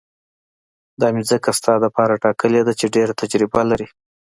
دا مې ځکه ستا دپاره ټاکلې ده چې ډېره تجربه لري.